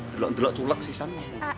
delok delok culek sisanya